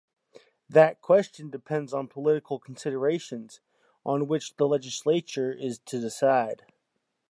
That question depends on political considerations, on which the Legislature is to decide.